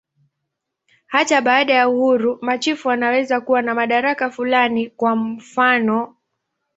Hata baada ya uhuru, machifu wanaweza kuwa na madaraka fulani, kwa mfanof.